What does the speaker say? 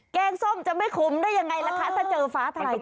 แกงส้มจะไม่ขมได้อย่างไรหรือคะถ้าเจอฟ้าทลายโจร